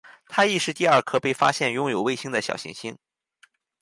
它亦是第二颗被发现拥有卫星的小行星。